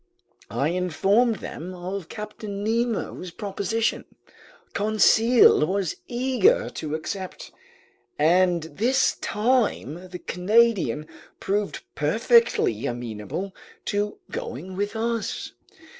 I informed them of Captain Nemo's proposition. Conseil was eager to accept, and this time the Canadian proved perfectly amenable to going with us.